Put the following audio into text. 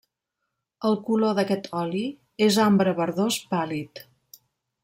El color d’aquest oli és ambre verdós pàl·lid.